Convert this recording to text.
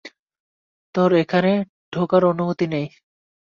তোর এখানে ঢোকার অনুমতি নেই।